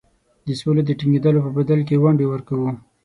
د سولي د ټینګېدلو په بدل کې ونډې ورکوو.